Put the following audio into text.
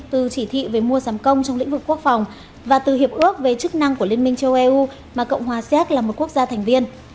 từ chỉ thị về mua giảm công trong lĩnh vực quốc phòng và từ hiệp ước về chức năng của liên minh châu âu mà cộng hòa xéc là một quốc gia thành viên